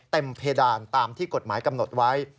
เพดานตามที่กฎหมายกำหนดไว้